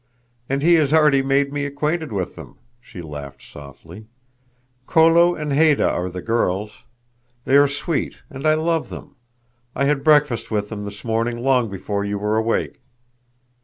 "And he has already made me acquainted with them," she laughed softly. "Kolo and Haidah are the girls. They are sweet, and I love them. I had breakfast with them this morning long before you were awake."